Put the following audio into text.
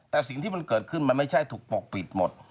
แต่สิ่งที่มันเกิดขึ้นมันไม่ใช่ถูกปกปิดหมด